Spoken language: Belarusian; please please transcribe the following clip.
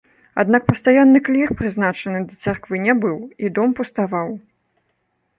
Аднак пастаянны клір прызначаны да царквы не быў, і дом пуставаў.